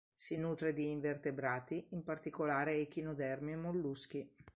Si nutre di invertebrati, in particolare echinodermi e molluschi.